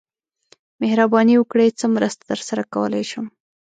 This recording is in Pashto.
مهرباني وکړئ څه مرسته درسره کولای شم